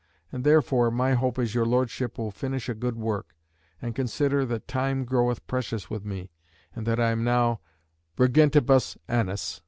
And therefore my hope is your Lordship will finish a good work, and consider that time groweth precious with me, and that I am now vergentibus annis.